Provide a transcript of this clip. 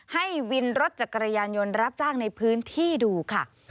ให้วินรถจักรยานยนต์รับจ้างในพื้นที่ดูค่ะ